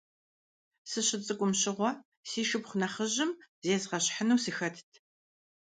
Сыщыцӏыкӏум щыгъуэ, си шыпхъу нэхъыжьым зезгъэщхьыну сыхэтт.